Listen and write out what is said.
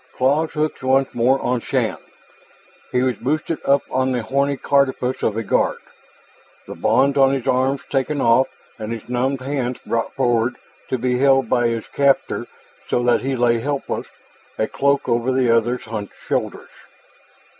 Claws hooked once more on Shann. He was boosted up on the horny carapace of a guard, the bonds on his arms taken off and his numbed hands brought forward, to be held by his captor so that he lay helpless, a cloak over the other's hunched shoulders.